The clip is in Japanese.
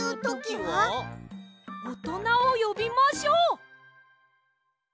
おとなをよびましょう！